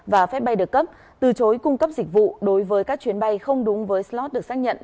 và phép bay được cấp từ chối cung cấp dịch vụ đối với các chuyến bay không đúng với slot được xác nhận